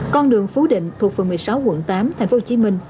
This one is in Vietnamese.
con đường phú định thuộc phường một mươi sáu quận tám thành phố hồ chí minh